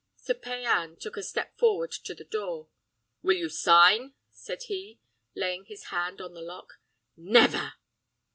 Sir Payan took a step forward to the door. "Will you sign?" said he, laying his hand on the lock. "Never!"